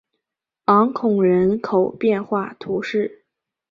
昂孔人口变化图示